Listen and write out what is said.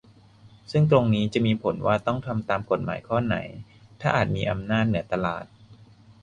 ซึ่งตรงนี้จะมีผลว่าต้องทำตามกฎหมายข้อไหน ถ้าอาจมีอำนาจเหนือตลาด